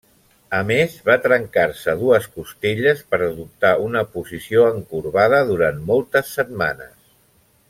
A més, va trencar-se dues costelles per adoptar una posició encorbada durant moltes setmanes.